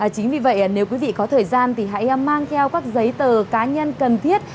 chính vì vậy nếu quý vị có thời gian thì hãy mang theo các giấy tờ cá nhân cần thiết